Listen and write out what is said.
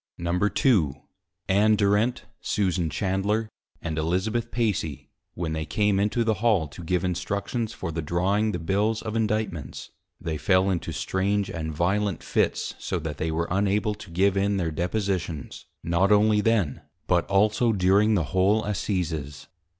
II. Ann Durent, Susan Chandler, and Elizabeth Pacy, when they came into the Hall, to give Instructions for the drawing the Bills of Indictments, they fell into strange and violent Fits, so that they were unable to give in their Depositions, not only then, but also during the whole Assizes.